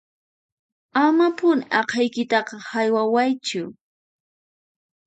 Amapuni aqhaykitaqa haywawaychu